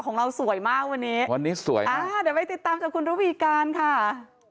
ของเราสวยมากวันนี้อ๋อเดี๋ยวไปติดตามของคุณเรอวิกันค่ะ